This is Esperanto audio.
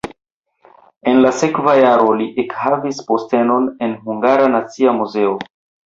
En la sekva jaro li ekhavis postenon en Hungara Nacia Muzeo.